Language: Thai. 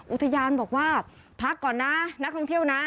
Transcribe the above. อุทยานบอกว่าพักก่อนนะนักท่องเที่ยวนะ